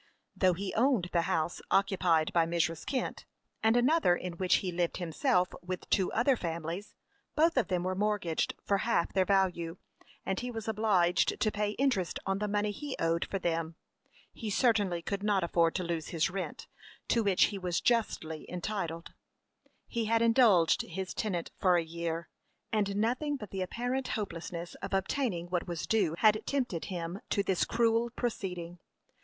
Though he owned the house occupied by Mrs. Kent, and another in which he lived himself with two other families, both of them were mortgaged for half their value, and he was obliged to pay interest on the money he owed for them. He certainly could not afford to lose his rent, to which he was justly entitled. He had indulged his tenant for a year, and nothing but the apparent hopelessness of obtaining what was due had tempted him to this cruel proceeding.